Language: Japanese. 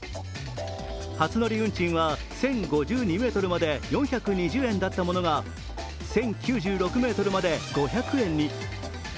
初乗り運賃は１０５２ｍまで４２０円だったものが１０９６ｍまで５００円に。